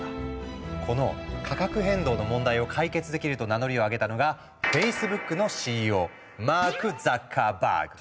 この価格変動の問題を解決できると名乗りを上げたのがフェイスブックのＣＥＯマーク・ザッカーバーグ。